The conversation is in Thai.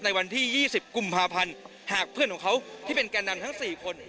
ในวันที่๒๐กุมภาพันธ์หากเพื่อนของเขาที่เป็นแก่นำทั้ง๔คน